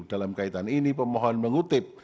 dalam kaitan ini pemohon mengutip